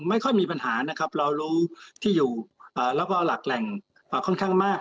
ไม่ค่อยมีปัญหานะครับเรารู้ที่อยู่แล้วก็หลักแหล่งค่อนข้างมาก